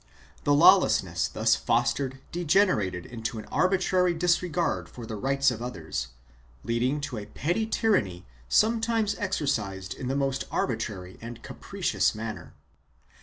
2 The lawlessness thus fostered degenerated into an arbitrary dis regard of the rights of others, leading to a petty tyranny some times exercised in the most arbitrary and capricious manner.